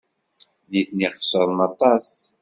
Nitni xeṣren aṭas.